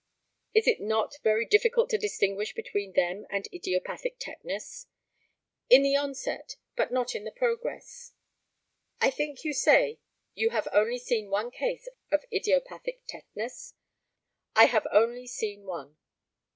Is it not very difficult to distinguish between them and idiopathic tetanus? In the onset, but not in the progress. I think you say you have only seen one case of idiopathic tetanus? I have only seen one.